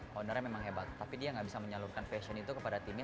foundernya memang hebat tapi dia nggak bisa menyalurkan fashion itu kepada timnya